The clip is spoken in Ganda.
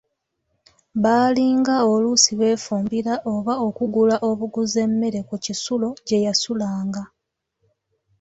Baalinga oluusi beefumbira oba okugula obuguzi emmere ku kisulo gye yasulanga.